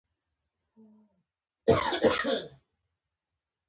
هغه د هند له قوتونو سره لاس یو کړي.